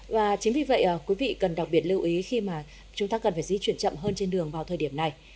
và chính vì vậy quý vị cần đặc biệt lưu ý khi mà chúng ta cần phải di chuyển chậm hơn trên đường vào thời điểm này